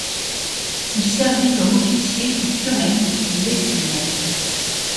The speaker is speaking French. Il servit comme officier sous Turenne, qui l'estimait.